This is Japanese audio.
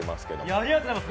ありがとうございます。